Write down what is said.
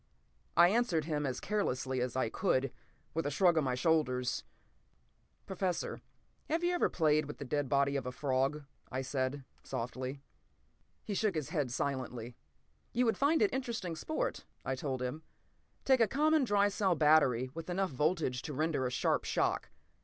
I answered him, as carelessly as I could, with a shrug of my shoulders. "Professor, have you ever played with the dead body of a frog?" I said softly. He shook his head silently. "You would find it interesting sport," I told him. "Take a common dry cell battery with enough voltage to render a sharp shock.